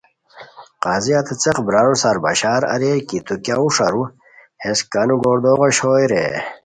قاضی ہتے څیق برارو سار بشار اریر کی تو کیہ ہوݰ ارو ہیس کانو گوردوغ اوشوئے رے؟